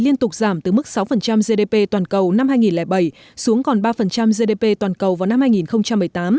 liên tục giảm từ mức sáu gdp toàn cầu năm hai nghìn bảy xuống còn ba gdp toàn cầu vào năm hai nghìn một mươi tám